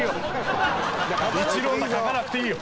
一朗太書かなくていいよ！